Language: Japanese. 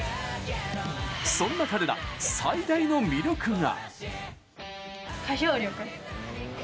そんな彼ら、最大の魅力が。